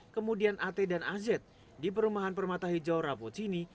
kemudian at dan az di perumahan permata hijau rapocini